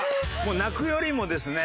泣くよりもですね